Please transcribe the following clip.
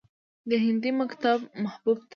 د هندي مکتب محبوب ته